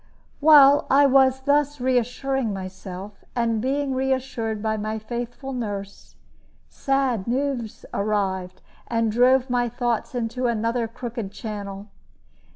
While I was thus re assuring myself, and being re assured by my faithful nurse, sad news arrived, and drove my thoughts into another crooked channel.